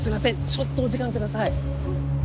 ちょっとお時間ください。